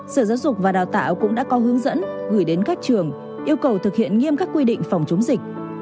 sở giáo dục và đào tạo cũng đã có hướng dẫn gửi đến các trường yêu cầu thực hiện nghiêm các quy định phòng chống dịch